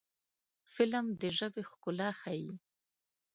فلم د ژبې ښکلا ښيي